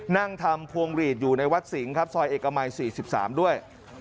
นั่งทำพวงหลีดอยู่ในวัดสิงห์ครับซอยเอกมัย๔๓ด้วย